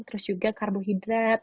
terus juga karbohidrat